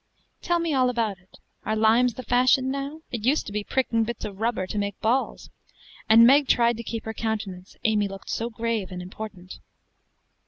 "Tell me all about it. Are limes the fashion now? It used to be pricking bits of rubber to make balls;" and Meg tried to keep her countenance, Amy looked so grave and important.